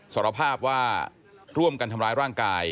สารภาพว่าร่วมกันทำร้ายร่างกาย